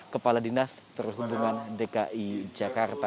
kepala dinas perhubungan dki jakarta